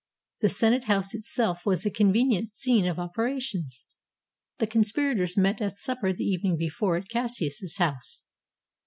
The Senate house itself was a convenient scene of operations. The conspirators met at supper the evening before at Cassius's house.